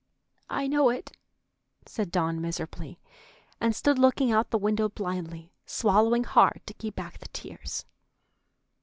"I know it," said Dawn miserably, and stood looking out the window blindly, swallowing hard to keep back the tears.